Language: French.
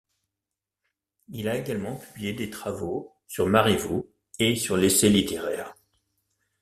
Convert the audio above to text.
Il a également publié des travaux sur Marivaux et sur l’essai littéraire.